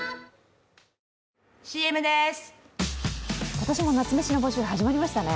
今年も夏メシの募集始まりましたね。